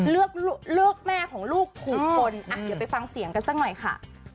เลือกเลือกแม่ของลูกถูกคนอ่ะเดี๋ยวไปฟังเสียงกันสักหน่อยค่ะ